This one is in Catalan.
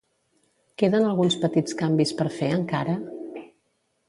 Queden alguns petits canvis per fer, encara?